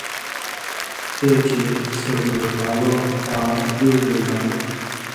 (تے چے) سو بِگوݜان٘لو آں ہیُودژان٘لو تھُو۔